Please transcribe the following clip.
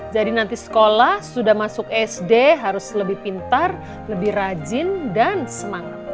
nanti sekolah sudah masuk sd harus lebih pintar lebih rajin dan semangat